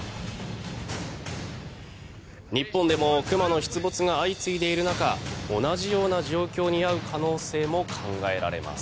日本でも熊の出没が相次いでいる中同じような状況に遭う可能性も考えられます。